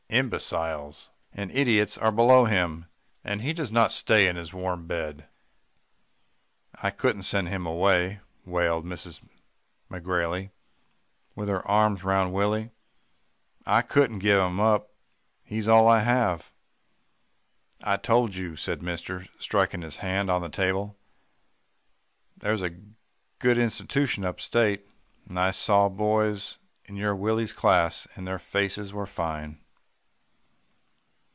Imbeciles and idiots are below him and he does not stay in his warm bed.' "'I couldn't send him away,' wailed Mrs. McGrailey with her arms round Willie. 'I couldn't give him up. He's all I have.' "'I told you,' said mister striking his hand on the table, 'that there's a good institution up state, and I saw boys in your Willie's class, and their faces were fine.